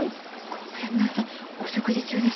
ごめんなさいお食事中でした？